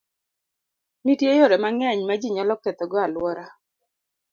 Nitie yore mang'eny ma ji nyalo ketho go alwora.